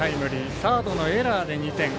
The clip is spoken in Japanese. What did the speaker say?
サードのエラーで２点。